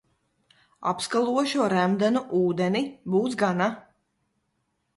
Apskalošu ar remdenu ūdeni, būs gana.